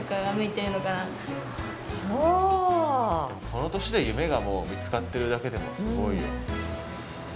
この年で夢がもう見つかってるだけでもすごいよ。